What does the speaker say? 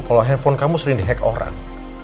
kalau handphone kamu sering di hack orang